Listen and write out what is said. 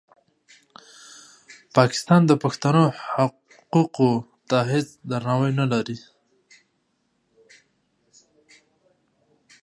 پاکستان د پښتنو حقوقو ته هېڅ درناوی نه لري.